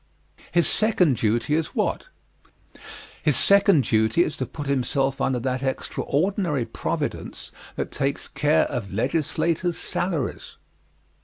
His second duty is what? His second duty is to put himself under that extraordinary providence that takes care of legislators' salaries.